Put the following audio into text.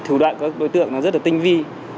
thủ đoạn của các đối tượng rất tinh vi